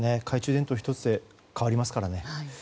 懐中電灯１つで変わりますからね。